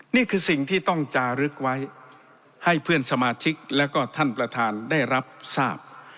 นี่คือสิ่งที่ต้องจารึกไว้ให้เพื่อนสมาชิกและก็ท่านประธานได้รับทราบ